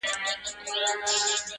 ولي خو د جنگ نيمى دئ.